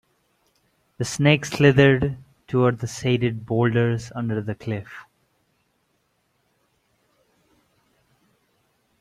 The snake slithered toward the shaded boulders under the cliff.